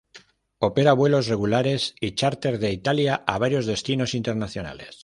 Opera vuelos regulares y chárter de Italia a varios destinos internacionales.